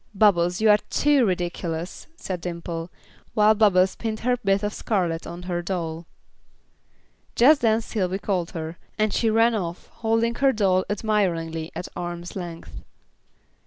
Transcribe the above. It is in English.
"Bubbles, you are too ridiculous," said Dimple, while Bubbles pinned her bit of scarlet on her doll. Just then Sylvy called her, and she ran off, holding her doll admiringly at arm's length.